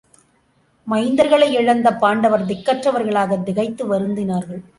மைந்தர்களை இழந்த பாண்டவர் திக்கற்றவராகத் திகைத்து வருந்தினார்கள்.